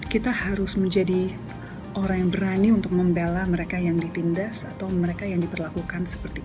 kita harus menjadi orang yang berani untuk membela mereka yang ditindas atau mereka yang diperlakukan seperti itu